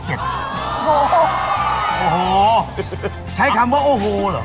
ใช้คำว่าโอ้โหหรอ